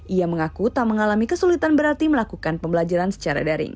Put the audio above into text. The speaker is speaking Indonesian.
ia mengaku tak mengalami kesulitan berarti melakukan pembelajaran secara daring